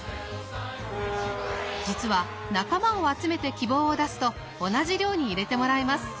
実は仲間を集めて希望を出すと同じ寮に入れてもらえます。